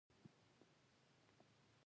سیلاني ځایونه د افغانستان په هره برخه کې شته.